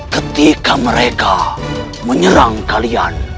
ketika mereka menyerang kalian